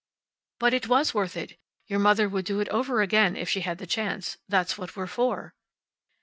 "But it was worth it. Your mother would do it all over again, if she had the chance. That's what we're for."